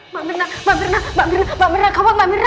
mbak mirna mbak mirna mbak mirna mbak mirna kawan mbak mirna